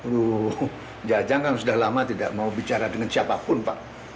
wuh jajang kan sudah lama tidak mau bicara dengan siapa pun pak